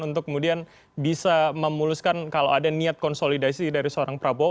untuk kemudian bisa memuluskan kalau ada niat konsolidasi dari seorang prabowo